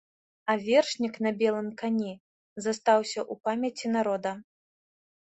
А вершнік на белым кані застаўся ў памяці народа.